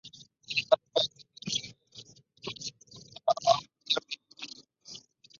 She was made an honorary member of the Sociedad de Mexico for her work.